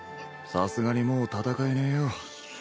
さすがにもう戦えねえよ。